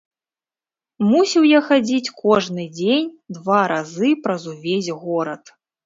Мусіў я хадзіць кожны дзень два разы праз увесь горад.